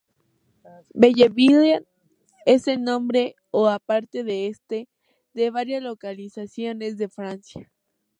Belleville es el nombre, o parte de este, de varias localizaciones de Francia.